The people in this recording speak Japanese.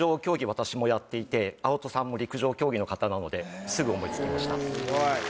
私もやっていて青戸さんも陸上競技の方なのですぐ思いつきました